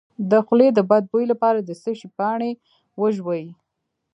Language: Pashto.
د خولې د بد بوی لپاره د څه شي پاڼې وژويئ؟